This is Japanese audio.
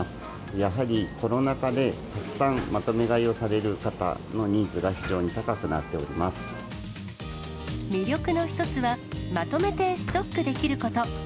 やはりコロナ禍で、たくさんまとめ買いをされる方のニーズが非常に高くなっておりま魅力の一つは、まとめてストックできること。